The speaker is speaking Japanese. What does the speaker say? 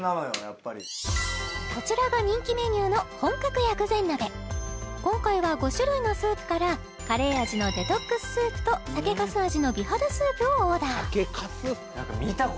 やっぱりこちらが人気メニューの今回は５種類のスープからカレー味のデトックススープと酒粕味の美肌スープをオーダー